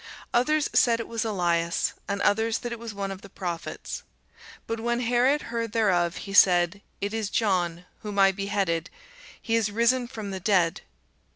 Others said it was Elias, and others that it was one of the prophets. But when Herod heard thereof, he said, It is John, whom I beheaded: he is risen from the dead.